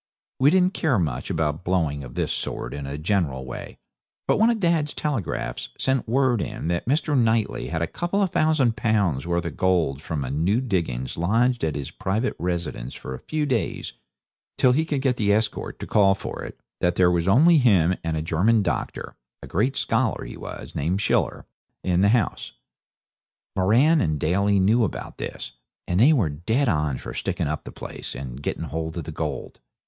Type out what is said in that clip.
We didn't care much about blowing of this sort in a general way; but one of dad's telegraphs sent word in that Mr. Knightley had a couple of thousand pounds worth of gold from a new diggings lodged at his private residence for a few days till he could get the escort to call for it; that there was only him and a German doctor, a great scholar he was, named Schiller, in the house. Moran and Daly knew about this, and they were dead on for sticking up the place and getting hold of the gold.